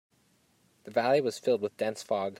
The valley was filled with dense fog.